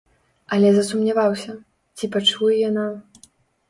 Але засумняваўся, ці пачуе яна?